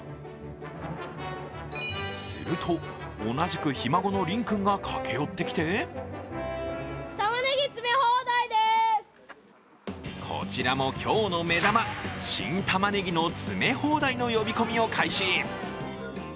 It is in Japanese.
すると、同じくひ孫の琳君が駆け寄ってきてこちらも今日の目玉、新たまねぎの詰め放題の呼び込みを開始。